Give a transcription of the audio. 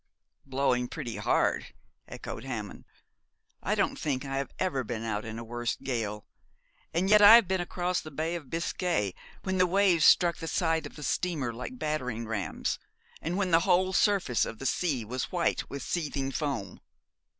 'Blowing pretty hard;' echoed Hammond, 'I don't think I was ever out in a worse gale; and yet I have been across the Bay of Biscay when the waves struck the side of the steamer like battering rams, and when the whole surface of the sea was white with seething foam.'